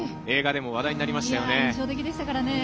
映画でも話題になりましたよね。